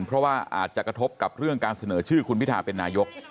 เพราะว่าอาจจะกระทบกับเรื่องการเสนอชื่อคุณพิทาเป็นนายก